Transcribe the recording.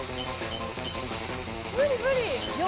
無理無理！